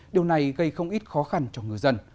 điều này gây không ít khó khăn cho ngư dân